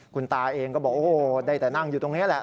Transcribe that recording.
คุณตาเองก็บอกโอ้โหได้แต่นั่งอยู่ตรงนี้แหละ